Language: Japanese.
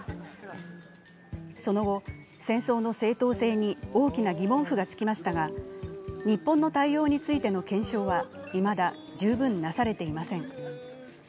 その後、戦争の正当性に大きな疑問符がつきましたが日本の対応についての検証はいまだ十分なされていません。